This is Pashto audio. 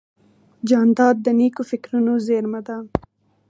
جانداد د نیکو فکرونو زېرمه ده.